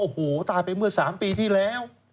โอ้โหตายไปเมื่อ๓ปีที่แล้ว